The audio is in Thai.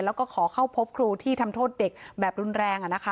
แล้วก็ขอเข้าพบครูที่ทำโทษเด็กแบบรุนแรง